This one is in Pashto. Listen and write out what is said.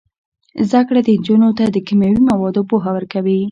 زده کړه نجونو ته د کیمیاوي موادو پوهه ورکوي.